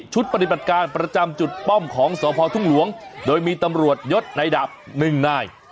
ชุดปฏิบัติการประจำจุดป้อมของสภทุ่งหลวงโดยมีตำรวจยดนายดาบ๑นาย